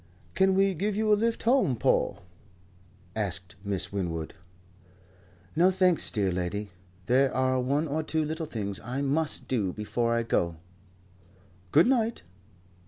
"Can we give you a lift home, Paul?" asked Miss Winwood. "No thanks, dearest lady. There are one or two little things I must do before I go." "Good night."